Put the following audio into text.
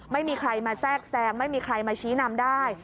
ไม่มีใครมาแทรกแซงไม่มีใครมาชี้นำได้